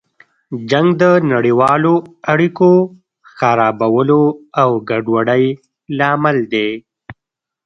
جنګ د نړیوالو اړیکو خرابولو او ګډوډۍ لامل دی.